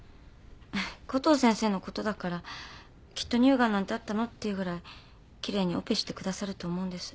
コトー先生のことだからきっと乳ガンなんてあったのっていうぐらいきれいにオペしてくださると思うんです。